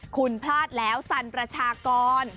คุณพลาดแล้วสรรประชากร